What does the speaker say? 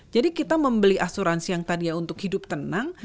jadi kita membeli asuransi yang tadi ya untuk hidup tenang